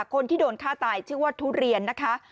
คนที่โดนฆ่าตายชื่อว่าทุเรียนนะคะ